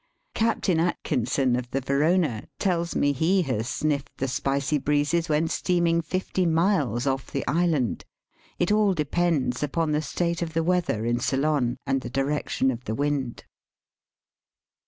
Captain Atkinson, of the Verona y tells me he has sniffed the spicy breezes when steaming fifty miles off the island. It all depends upon the state of the weather in Ceylon and the direc tion of the wind.